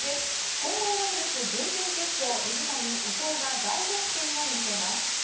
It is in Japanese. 混合ダブルス準々決勝水谷、伊藤が大逆転を見せます。